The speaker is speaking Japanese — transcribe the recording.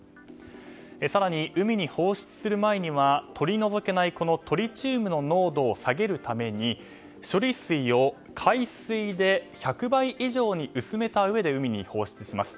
更に海に放出する前には取り除けないトリチウムの濃度を下げるために処理水を海水で１００倍以上に薄めたうえで海に放出します。